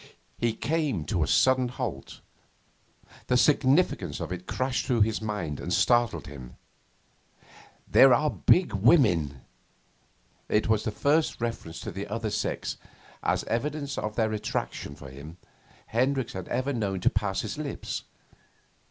He came to a sudden halt. The significance of it crashed through his mind and startled him. 'There are big rushing women ...' It was the first reference to the other sex, as evidence of their attraction for him, Hendricks had ever known to pass his lips.